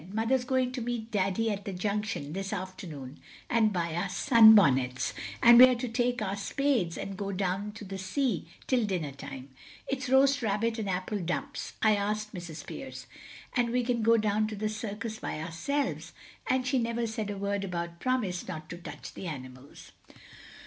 "Mother's going to meet Daddy at the Junction this afternoon and buy us sunbonnets. And we're to take our spades and go down to the sea till dinnertime—it's roast rabbit and apple dumps—I asked Mrs. Pearce—and we can go to the circus by ourselves—and she never said a word about promise not to touch the animals."